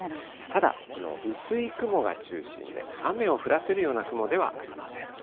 ただ薄い雲が中心で、雨を降らせるような雲ではありません。